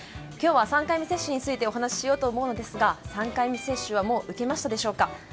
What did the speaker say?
今日は３回目接種についてお話ししようと思うのですが皆さんは受けましたでしょうか。